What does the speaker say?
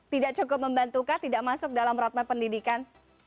tidak cukup membantukah tidak masuk dalam roadmap pendidikan